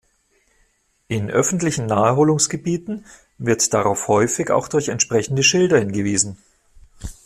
In öffentlichen Naherholungsgebieten wird darauf häufig auch durch entsprechende Schilder hingewiesen.